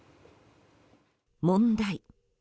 問題。